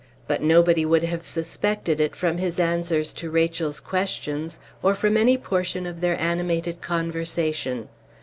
But nobody would have suspected it from his answers to Rachel's questions, or from any portion of their animated conversation.